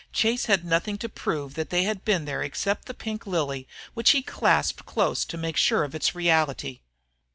Chase had nothing to prove that they had been there except the pink lily which he clasped close to make sure of its reality.